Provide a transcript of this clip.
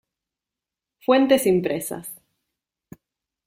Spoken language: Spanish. Fuentes impresas.